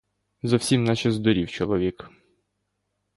Зовсім наче здурів чоловік!